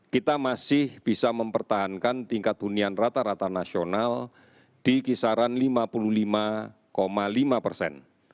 kita masih bisa mempertahankan tingkat hunian rata rata nasional di kisaran lima puluh lima lima persen